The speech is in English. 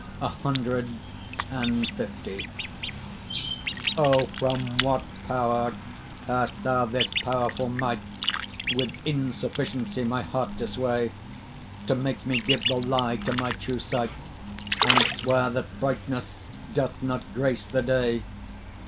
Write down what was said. CL O! from what power hast thou this powerful might, With insufficiency my heart to sway? To make me give the lie to my true sight, And swear that brightness doth not grace the day?